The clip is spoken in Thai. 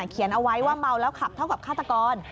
เขียนเอาไว้ว่าเมาแล้วขับเท่ากับฆาตกร